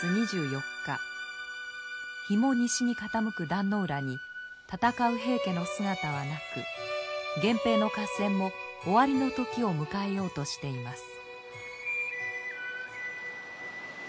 日も西に傾く壇ノ浦に戦う平家の姿はなく源平の合戦も終わりの時を迎えようとしています。